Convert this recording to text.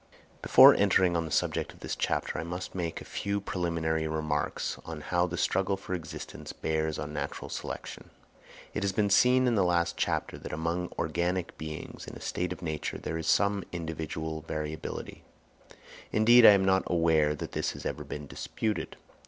Before entering on the subject of this chapter I must make a few preliminary remarks to show how the struggle for existence bears on natural selection. It has been seen in the last chapter that among organic beings in a state of nature there is some individual variability: indeed I am not aware that this has ever been disputed.